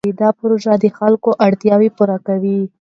دا پروژه د خلکو اړتیا پوره کوي.